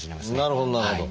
なるほどなるほど。